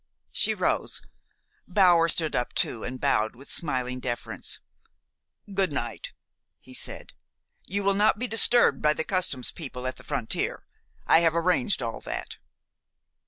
She rose. Bower stood up too, and bowed with smiling deference. "Good night," he said. "You will not be disturbed by the customs people at the frontier. I have arranged all that."